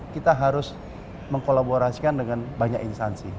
kita harus mengkolaborasikan dengan banyak instansi